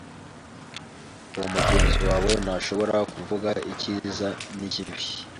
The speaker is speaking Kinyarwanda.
Uwo mugenzi wawe ntashobora kuvuga icyiza n'ikibi.